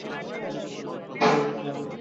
না, এটা বাবেল ইয়াম।